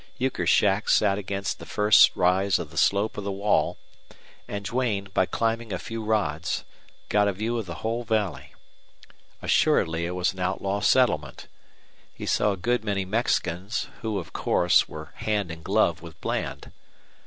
Euchre's shack sat against the first rise of the slope of the wall, and Duane, by climbing a few rods, got a view of the whole valley. Assuredly it was an outlaw settle meet. He saw a good many Mexicans, who, of course, were hand and glove with Bland.